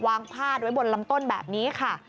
พาดไว้บนลำต้นแบบนี้ค่ะ